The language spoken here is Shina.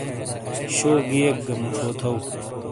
شوگھیئک گا موچھو تھؤ۔